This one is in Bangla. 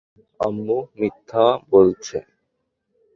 আম্মু মিথ্যা বলছে!